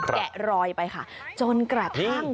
แกะรอยไปค่ะจนกระทั่ง